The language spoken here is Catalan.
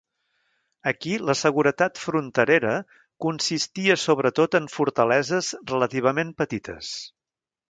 Aquí la seguretat fronterera consistia sobretot en fortaleses relativament petites.